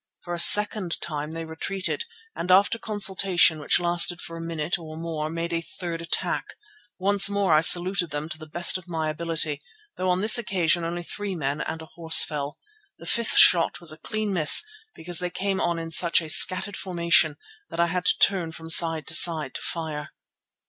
For a second time they retreated and after consultation which lasted for a minute or more, made a third attack. Once more I saluted them to the best of my ability, though on this occasion only three men and a horse fell. The fifth shot was a clean miss because they came on in such a scattered formation that I had to turn from side to side to fire.